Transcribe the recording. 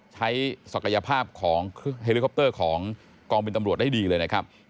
ศักยภาพของเฮลิคอปเตอร์ของกองบินตำรวจได้ดีเลยนะครับ